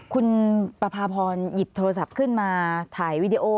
คุณประพาพรหยิบโทรศัพท์ขึ้นมาถ่ายวีดีโอ